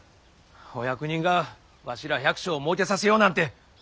お役人がわしら百姓をもうけさせようなんて思うはずあるかいな。